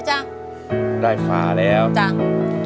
ร้องได้ไอ้ล้าง